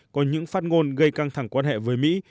có những phát ngôn gây căng thẳng quan hệ với mỹ